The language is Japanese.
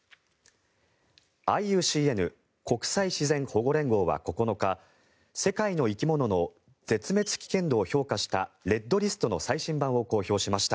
ＩＵＣＮ・国際自然保護連合は９日世界の生き物の絶滅危険度を評価したレッドリストの最新版を公表しました。